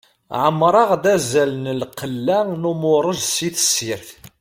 Ɛemmreɣ-d azal n lqella n umuṛej si tessirt.